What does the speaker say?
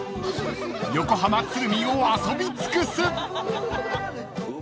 ［横浜鶴見を遊び尽くす］